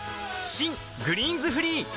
新「グリーンズフリー」